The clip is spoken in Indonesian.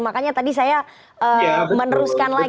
makanya tadi saya meneruskan lagi